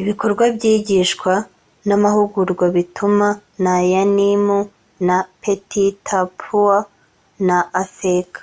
ibikorwa by iyigishwa n amahugurwa bituma na yanimu na betitapuwa na afeka